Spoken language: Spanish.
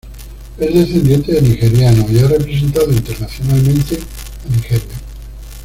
Es descendiente de nigerianos y ha representado internacionalmente a Nigeria.